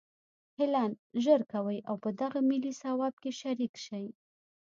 هلئ ژر کوئ او په دغه ملي ثواب کې شریک شئ